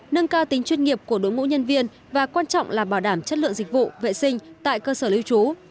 nâng cao tính chuyên nghiệp của đội ngũ nhân viên và quan trọng là bảo đảm chất lượng dịch vụ vệ sinh tại cơ sở lưu trú